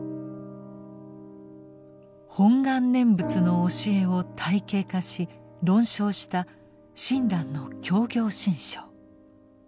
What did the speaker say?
「本願念仏」の教えを体系化し論証した親鸞の「教行信証」。